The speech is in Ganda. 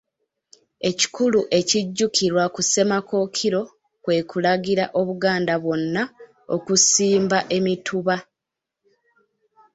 Ekikulu ekijjukirwa ku Ssemakookiro, kwe kulagira Obuganda bwonna okusimba emituba.